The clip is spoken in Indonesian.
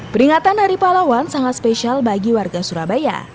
peringatan hari pahlawan sangat spesial bagi warga surabaya